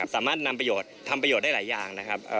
สามารถนำประโยชน์ทำประโยชน์ได้หลายอย่างนะครับ